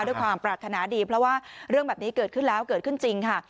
ด้วยความปรารถนาดีเพราะว่าเรื่องแบบนี้เกิดขึ้นแล้วเกิดขึ้นจริงค่ะ